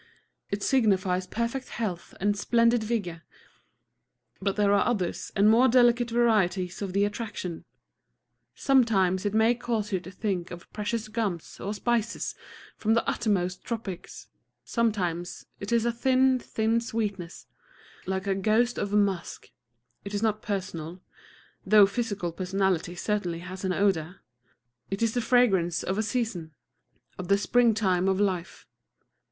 It signifies perfect health and splendid vigor. But there are other and more delicate varieties of the attraction. Sometimes it may cause you to think of precious gums or spices from the uttermost tropics; sometimes it is a thin, thin sweetness, like a ghost of musk. It is not personal (though physical personality certainly has an odor): it is the fragrance of a season, of the springtime of life.